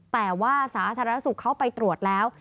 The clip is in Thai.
แต่ว่าสาธารณสุขเขาไปตรวจแล้ว